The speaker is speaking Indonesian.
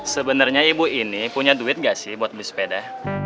sebenarnya ibu ini punya duit gak sih buat beli sepeda